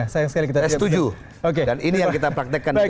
saya setuju dan ini yang kita beri